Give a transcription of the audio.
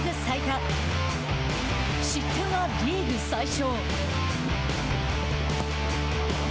得点はリーグ最多。